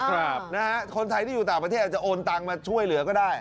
ครับนะฮะคนไทยที่อยู่ต่างประเทศอาจจะโอนตังมาช่วยเหลือก็ได้